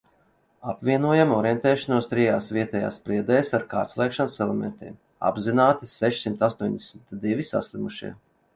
Apvienojam orientēšanos trijās vietējās priedēs ar kārtslēkšanas elementiem. Apzināti sešsimt astoņdesmit divi saslimušie.